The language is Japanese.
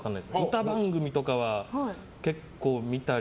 歌番組とかは結構見たり。